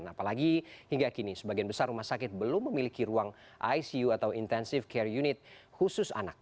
apalagi hingga kini sebagian besar rumah sakit belum memiliki ruang icu atau intensive care unit khusus anak